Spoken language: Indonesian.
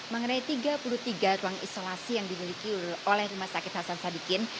mengenai tiga puluh tiga ruang isolasi yang dimiliki oleh rumah sakit hasan sadikin